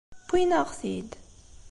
Wwin-aɣ-t-id.